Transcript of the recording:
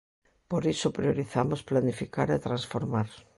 Por iso priorizamos planificar e transformar.